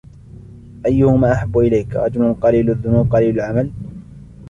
أَيُّمَا أَحَبُّ إلَيْك رَجُلٌ قَلِيلُ الذُّنُوبِ قَلِيلُ الْعَمَلِ